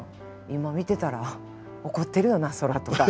今見てたら怒ってるよなそら」とか。